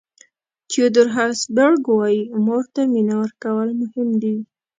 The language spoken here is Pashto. تیودور هسبرګ وایي مور ته مینه ورکول مهم دي.